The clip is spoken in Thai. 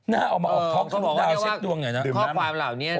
น่าเอามาออกท็อกซ์ทุกดาวเช็คดวงอย่างนี้นะดื่มน้ำคนบอกว่าข้อความเหล่านี้นะ